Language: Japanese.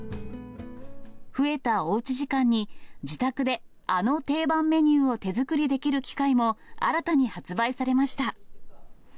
増えたおうち時間に、自宅であの定番メニューを手作りできる機械も、新たに発売されました。